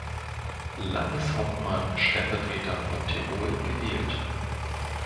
Landeshauptmann-Stellvertreter von Tirol gewählt.